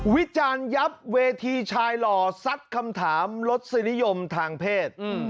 วิจารณ์ยับเวทีชายหล่อซัดคำถามลดสนิยมทางเพศ